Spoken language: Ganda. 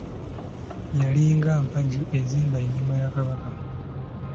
Yali nga mpagi ezimba ennyumba ya Kabaka.